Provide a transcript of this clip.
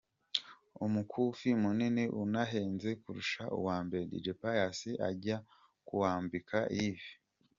Umukufi munini unahenze kurusha uwa mbere Dj Pius ajya kuwambika Yves.